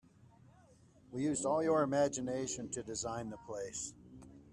We used all your imgination to design the place.